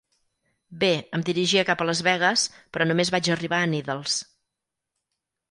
Bé, em dirigia cap a Las Vegas, però només vaig arribar a Needles.